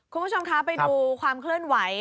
คุณผู้ชมคะไปดูความเคลื่อนไหว